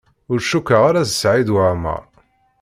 Ur cukkeɣ ara d Saɛid Waɛmaṛ.